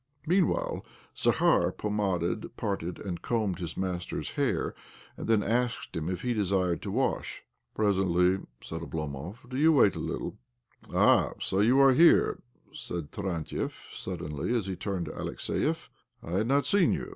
Mean while Zakhar pomaded, parted, and combed his master's hair, and then asked him if he desired to wash. " Presently," said Oblomov. " Do you wait a little." " Ah ! So. you are here ?" said Taran tiev suddenly as . he turned to Alexiev. " I had not seen you.